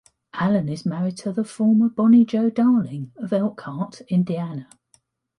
Allen is married to the former Bonnie Jo Darling of Elkhart, Indiana.